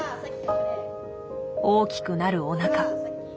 大きくなるおなか。